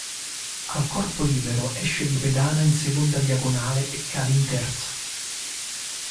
Al corpo libero esce di pedana in seconda diagonale e cade in terza.